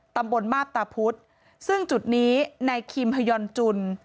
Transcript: ตำบลบ้าปตาพุธซึ่งจุดนี้นายคิมพยนต์จุล